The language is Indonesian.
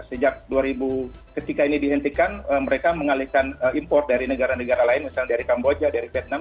sejak dua ribu ketika ini dihentikan mereka mengalihkan impor dari negara negara lain misalnya dari kamboja dari vietnam